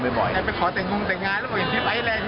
แล้วก็อย่างที่ไอศแลนด์